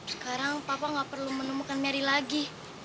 sekarang papa nggak perlu menemukan mary lagi